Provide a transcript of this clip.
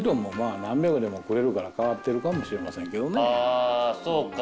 あそうか。